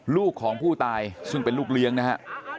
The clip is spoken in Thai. ลูกของผู้ตายซึ่งเป็นลูกเลี้ยงนะฮะ